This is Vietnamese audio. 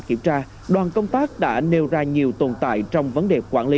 kiểm tra đoàn công tác đã nêu ra nhiều tồn tại trong vấn đề quản lý